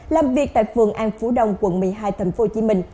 làm việc tại phường an phú đông quận một mươi hai tp hcm